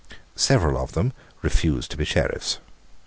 Several of them refused to be Sheriffs.